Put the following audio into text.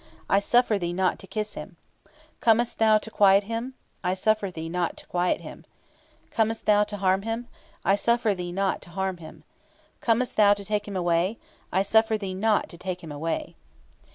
I suffer thee not to kiss him; Comest thou to quiet him? I suffer thee not to quiet him; Comest thou to harm him? I suffer thee not to harm him; Comest thou to take him away? I suffer thee not to take him away."